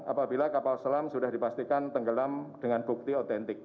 apabila kapal selam sudah dipastikan tenggelam dengan bukti otentik